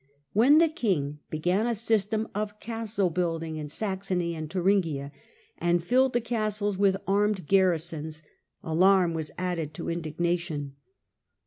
When the king began a system of castle building in Saxony and Thuringia, and filled the castles with armed garrisons, alarm was added to indignation.